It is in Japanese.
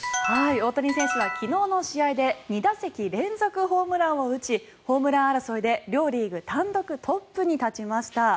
大谷選手は昨日の試合で２打席連続ホームランを打ちホームラン争いで両リーグ単独トップに立ちました。